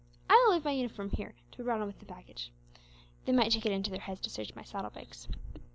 I will leave my uniform here, to be brought on with the baggage. They might take it into their heads to search my saddlebags."